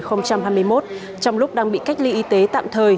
trong lúc đang bị cách ly y tế tạm thời